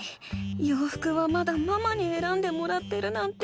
ようふくはまだママにえらんでもらってるなんて。